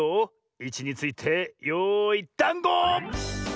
いちについてよいダンゴ！